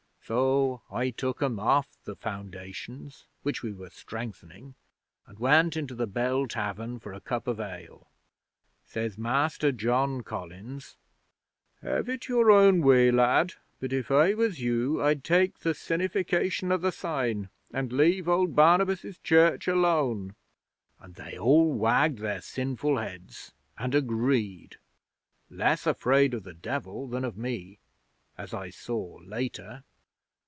So I took 'em off the foundations, which we were strengthening, and went into the Bell Tavern for a cup of ale. Says Master John Collins: "Have it your own way, lad; but if I was you, I'd take the sinnification o' the sign, and leave old Barnabas' Church alone!" And they all wagged their sinful heads, and agreed. Less afraid of the Devil than of me as I saw later.